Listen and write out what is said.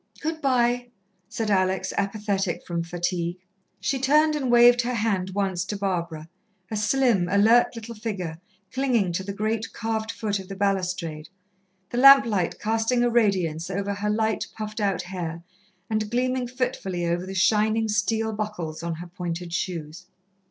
"Good bye," said Alex, apathetic from fatigue. She turned and waved her hand once to Barbara, a slim, alert little figure clinging to the great, carved foot of the balustrade, the lamp light casting a radiance over her light, puffed out hair, and gleaming fitfully over the shining steel buckles on her pointed shoes.